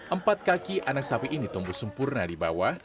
empat kaki anak sapi ini tumbuh sempurna di bawah